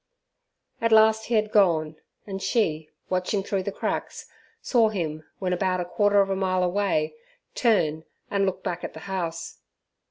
At last he had gone, and she, watching through the cracks, saw him when about a quarter of a mile away, turn and look back at the house.